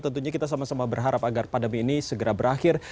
tentunya kita sama sama berharap agar pandemi ini segera berakhir